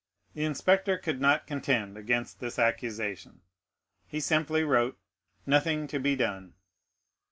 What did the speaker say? The inspector could not contend against this accusation; he simply wrote, _Nothing to be done.